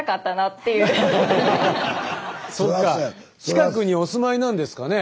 近くにお住まいなんですかね？